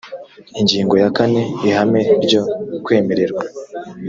ingingo ya kane ihame ryo kwemererwa